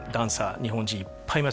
日本人いっぱいいます